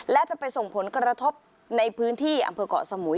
และจะไปส่งผลกระทบในพื้นที่อำเภอกเกาะสมุย